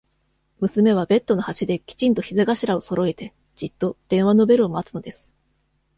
娘は、ベッドの端で、きちんと膝頭をそろえて、じっと、電話のベルを待つのです。